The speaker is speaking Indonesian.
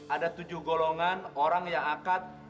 ada tujuh golongan orang yang akan